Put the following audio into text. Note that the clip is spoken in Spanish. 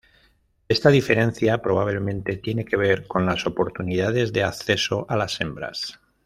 Esta diferencia probablemente tiene que ver con las oportunidades de acceso a las hembras.